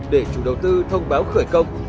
để chủ đầu tư thông báo khởi công